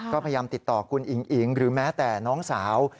ก็พยายามติดต่อคุณอิ๋งอิ๋งหรือแม้แต่น้องสาว